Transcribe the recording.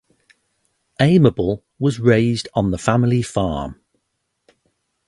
Aimable was raised on the family farm.